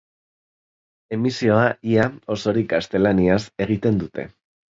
Emisioa ia osorik gaztelaniaz egiten dute.